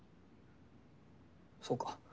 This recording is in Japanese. そうか。